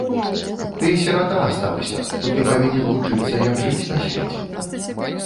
Ты сірата астаўся, то ты павінен вучыцца, як жыць на свеце.